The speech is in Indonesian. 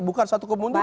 bukan satu kemunduran